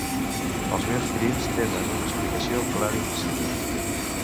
Els meus crims tenen una explicació clara i precisa.